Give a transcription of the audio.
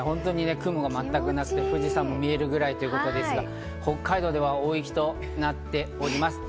雲が全くなくて、富士山も見えるくらいですが、北海道では大雪となっております。